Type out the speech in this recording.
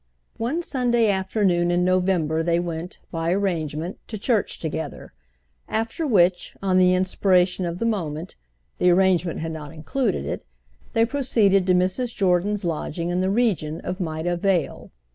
One Sunday afternoon in November they went, by arrangement, to church together; after which—on the inspiration of the moment the arrangement had not included it—they proceeded to Mrs. Jordan's lodging in the region of Maida Vale.